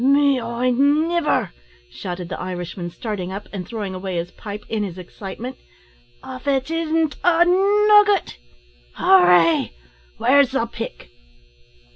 "May I niver!" shouted the Irishman, starting up, and throwing away his pipe in his excitement, "av it isn't a nugget. Hooray! where's the pick!"